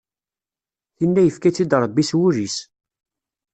Tinna yefka-tt-id Rebbi s wul-is.